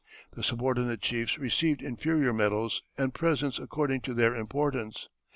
The subordinate chiefs received inferior medals and presents according to their importance.